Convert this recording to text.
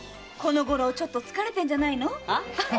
このごろちょっと疲れてるんじゃない？